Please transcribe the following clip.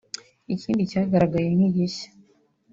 Ikindi cyagaragaye nk’igishya